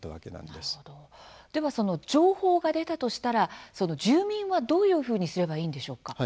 では、その情報が出たとしたら住民は、どういうふうにすればいいんでしょうか？